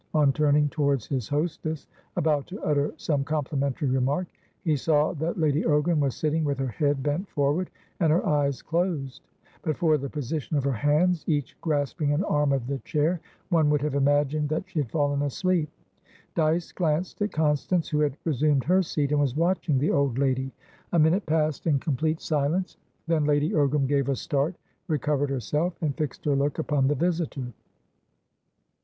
On turning towards his hostess, about to utter some complimentary remark, he saw that Lady Ogram was sitting with her head bent forward and her eyes closed; but for the position of her hands, each grasping an arm of the chair, one would have imagined that she had fallen asleep. Dyce glanced at Constance, who had resumed her seat, and was watching the old lady. A minute passed in complete silence, then Lady Ogram gave a start, recovered herself, and fixed her look upon the visitor.